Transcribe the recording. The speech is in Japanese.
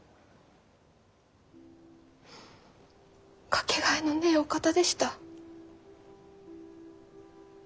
掛けがえのねぇお方でした。